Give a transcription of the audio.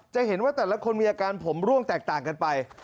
จะเห็นว่าแต่ละคนมีอาการผมร่วงแตกต่างกันไป